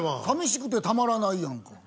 「淋しくてたまらない」やんか。